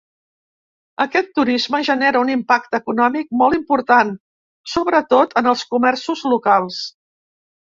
Aquest turisme genera un impacte econòmic molt important, sobretot en els comerços locals.